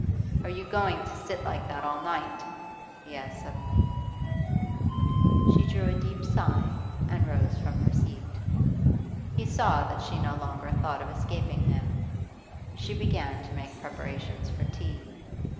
'Are you going to, sit like that all night?' he asked suddenly. She drew a deep sigh and rose from her seat. He saw that she no longer thought of escaping him. She began to make preparations for tea.